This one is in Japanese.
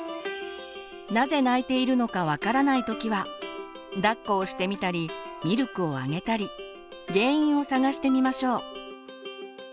なぜ泣いているのか分からない時はだっこをしてみたりミルクをあげたり原因を探してみましょう。